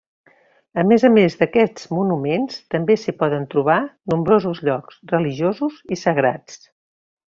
A més a més d'aquests monuments, també s'hi poden trobar nombrosos llocs religiosos i sagrats.